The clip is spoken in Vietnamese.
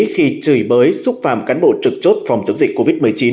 khi chửi bới xúc phạm cán bộ trực chốt phòng chống dịch covid một mươi chín